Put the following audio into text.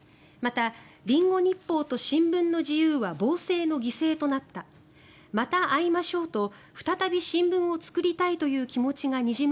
リンゴ日報と新聞の自由は暴政の犠牲となったまた会いましょうと再び新聞を作りたいという気持ちがにじむ